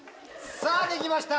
さぁできました！